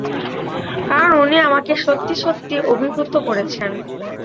কারণ উনি আমাকে সত্যি সত্যি অভিভূত করেছেন।